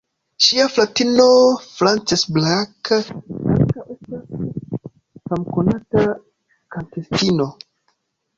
Ŝia fratino Frances Black ankaŭ estas famkonata kantistino.